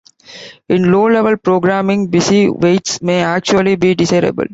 In low-level programming, busy-waits may actually be desirable.